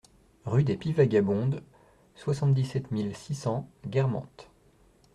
Rue des Pies Vagabondes, soixante-dix-sept mille six cents Guermantes